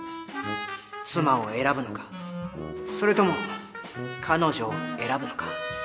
妻を選ぶのかそれとも彼女を選ぶのか。